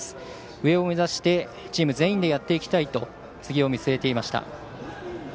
上を目指してチーム全員でやっていきたいと次を見据えていました。